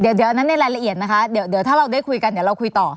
เดี๋ยวอันนั้นในรายละเอียดนะคะเดี๋ยวถ้าเราได้คุยกันเดี๋ยวเราคุยต่อ